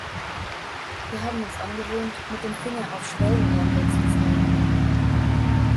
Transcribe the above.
Wir haben uns angewöhnt, mit dem Finger auf Schwellenländer zu zeigen.